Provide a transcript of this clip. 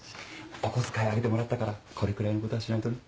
お小遣い上げてもらったからこれくらいのことはしないとね。